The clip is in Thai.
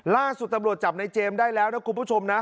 ล่าสุดตำรวจจับในเจมส์ได้แล้วนะคุณผู้ชมนะ